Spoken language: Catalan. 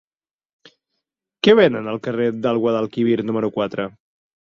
Què venen al carrer del Guadalquivir número quatre?